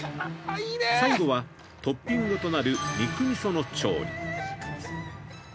最後はトッピングとなる肉味噌の調理。